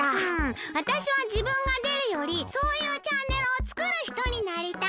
わたしはじぶんがでるよりそういうチャンネルをつくるひとになりたい。